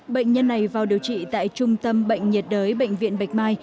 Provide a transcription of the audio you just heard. bệnh nhân này vào điều trị tại trung tâm bệnh nhiệt đới bệnh viện bạch mai